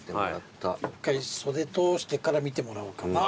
１回袖通してから見てもらおうかな。